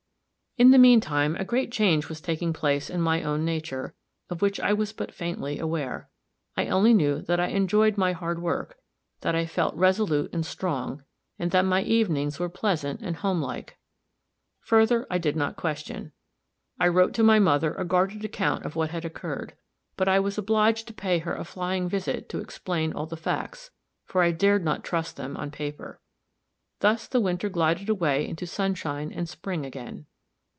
In the mean time a great change was taking place in my own nature, of which I was but faintly aware. I only knew that I enjoyed my hard work that I felt resolute and strong, and that my evenings were pleasant and homelike. Further, I did not question. I wrote to my mother a guarded account of what had occurred; but I was obliged to pay her a flying visit to explain all the facts, for I dared not trust them on paper. Thus the winter glided away into sunshine and spring again.